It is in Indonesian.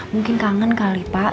mungkin kangen kali pak